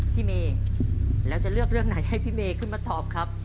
พี่เมย์แล้วจะเลือกเรื่องไหนให้พี่เมย์ขึ้นมาตอบครับ